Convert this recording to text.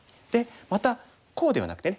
またこうではなくてね